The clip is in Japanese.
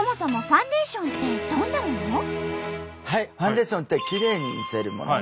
ファンデーションってきれいに見せるもの。